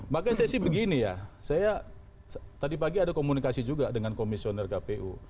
makanya saya sih begini ya saya tadi pagi ada komunikasi juga dengan komisioner kpu